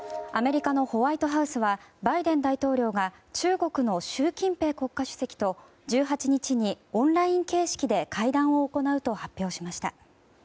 アメリカのホワイトハウスはバイデン大統領が中国の習近平国家主席と１８日にオンライン形式で会談を行うと発表しました。